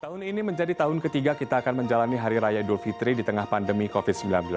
tahun ini menjadi tahun ketiga kita akan menjalani hari raya idul fitri di tengah pandemi covid sembilan belas